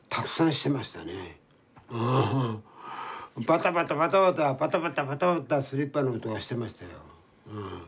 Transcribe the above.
バタバタバタバタバタバタバタバタスリッパの音がしてましたよ。